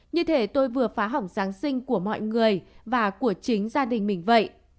như thế tôi vừa phá hỏng giáng sinh của mọi người và của chính gia đình mình vậy